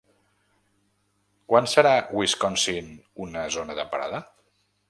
Quan serà Wisconsin una zona temperada?